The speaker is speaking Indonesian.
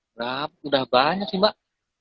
berapa sudah banyak sih mbak